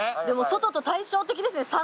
でも外と対照的ですね。